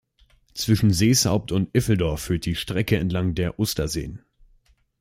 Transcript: Zwischen Seeshaupt und Iffeldorf führt die Strecke entlang der Osterseen.